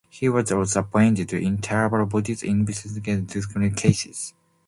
He was also appointed to internal bodies investigating disciplinary cases.